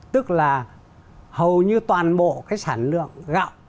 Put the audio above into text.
tức là hầu như toàn bộ cái sản lượng gạo